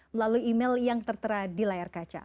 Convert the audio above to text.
melalui email yang tertera di layar kaca